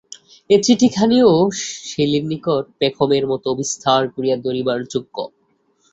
এ চিঠিখানিও শ্যালীর নিকট পেখমের মতো বিস্তার করিয়া ধরিবার যোগ্য।